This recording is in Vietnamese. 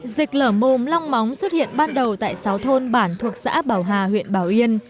dịch lở mồm long móng xuất hiện ban đầu tại sáu thôn bản thuộc xã bảo hà huyện bảo yên